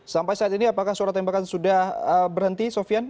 sampai saat ini apakah suara tembakan sudah berhenti sofian